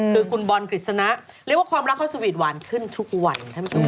คือคุณบอลกริษณะเรียกว่าความรักเขาสวีตหวานขึ้นทุกวัน